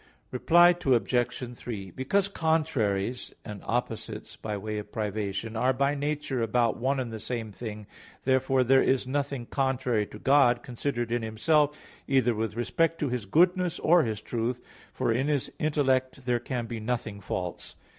Reply Obj. 3: Because contraries, and opposites by way of privation, are by nature about one and the same thing, therefore there is nothing contrary to God, considered in Himself, either with respect to His goodness or His truth, for in His intellect there can be nothing false.